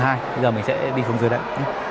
bây giờ mình sẽ đi xuống dưới đấy